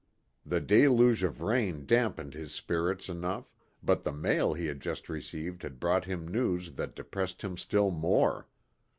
The deluge of rain damped his spirits enough, but the mail he had just received had brought him news that depressed him still more.